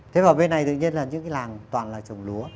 thế và bên này tự nhiên là những cái làng toàn là trồng lúa